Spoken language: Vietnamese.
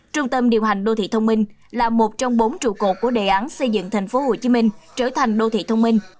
trung tâm điều hành đô thị thông minh là một trong bốn trụ cột của đề án xây dựng thành phố hồ chí minh trở thành đô thị thông minh